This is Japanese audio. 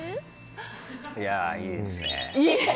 いやあ、いいですね。